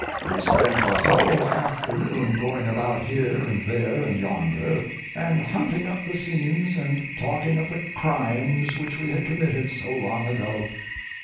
We spent a whole afternoon going about here and there and yonder, and hunting up the scenes and talking of the crimes which we had committed so long ago.